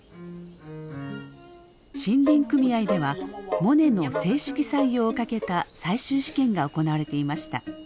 森林組合ではモネの正式採用をかけた最終試験が行われていました。